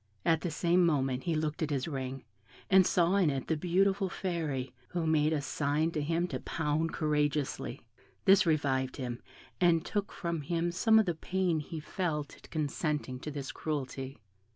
At the same moment he looked at his ring, and saw in it the beautiful Fairy, who made a sign to him to pound courageously; this revived him, and took from him some of the pain he felt at consenting to this cruelty.